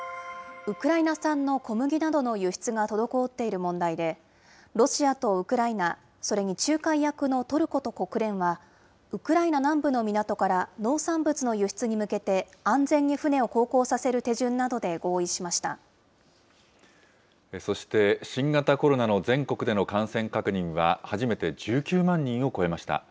ウクライナ産の小麦などの輸出が滞っている問題で、ロシアとウクライナ、それに仲介役のトルコと国連は、ウクライナ南部の港から農産物の輸出に向けて安全に船を航行させそして、新型コロナの全国での感染確認は、初めて１９万人を超えました。